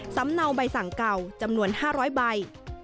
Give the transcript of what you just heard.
เนาใบสั่งเก่าจำนวน๕๐๐ใบ